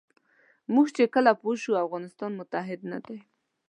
موږ چې کله پوه شو افغانستان متحد نه دی.